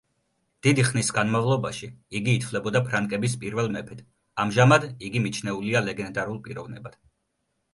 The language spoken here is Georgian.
დიდი ხნის განმავლობაში იგი ითვლებოდა ფრანკების პირველ მეფედ, ამჟამად იგი მიჩნეულია ლეგენდარულ პიროვნებად.